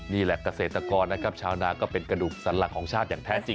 เกษตรกรนะครับชาวนาก็เป็นกระดูกสันหลักของชาติอย่างแท้จริง